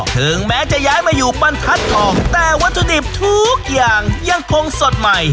ถึงแม้จะย้ายมาอยู่บรรทัศน์ทองแต่วัตถุดิบทุกอย่างยังคงสดใหม่